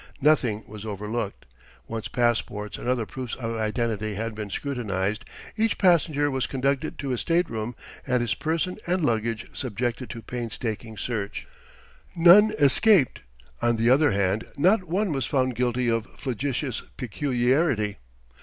Nothing was overlooked: once passports and other proofs of identity had been scrutinized, each passenger was conducted to his stateroom and his person and luggage subjected to painstaking search. None escaped; on the other hand, not one was found guilty of flagitious peculiarity.